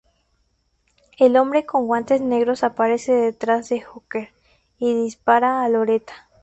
El hombre con guantes negros aparece detrás de Hooker y dispara a Loretta.